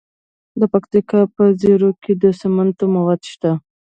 د پکتیکا په زیروک کې د سمنټو مواد شته.